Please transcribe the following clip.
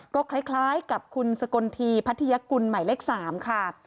ก็คล้ายกับคุณสกลทีพัทยกุลใหม่เลข๓ค่ะ